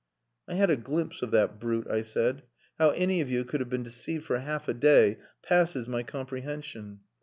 "I had a glimpse of that brute," I said. "How any of you could have been deceived for half a day passes my comprehension!"